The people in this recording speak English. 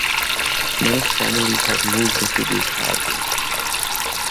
Many families have moved into these houses.